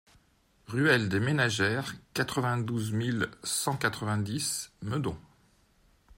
Ruelle des Ménagères, quatre-vingt-douze mille cent quatre-vingt-dix Meudon